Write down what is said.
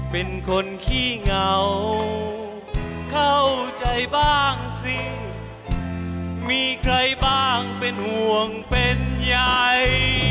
เป็นคนขี้เหงาเข้าใจบ้างสิมีใครบ้างเป็นห่วงเป็นใหญ่